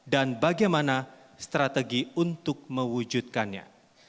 dan bagaimana strategi untuk mewujudkannya